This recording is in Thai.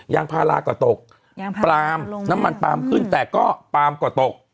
ยางพาราก็ตกยางปลามน้ำมันปลามขึ้นแต่ก็ปาล์มก็ตก